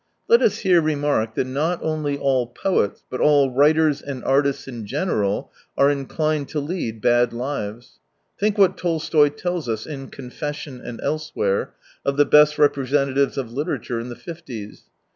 Let us here remark that not only all poets, blit all writers and artists in general are inclined to lead bad lives. Think what Tolstoy tells us, in Confession and elsewhere, of the best representatives of literature in the fifties.